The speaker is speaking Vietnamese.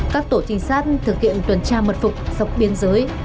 các tổ trinh sát thực hiện tuần tra mật phục dọc biên giới